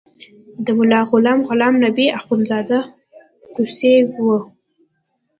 د ملا غلام غلام نبي اخندزاده کوسی و.